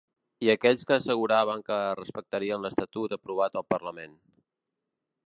I aquells que asseguraven que respectarien l’estatut aprovat al parlament.